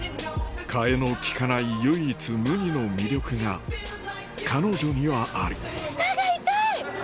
代えのきかない唯一無二の魅力が彼女にはある舌が痛い！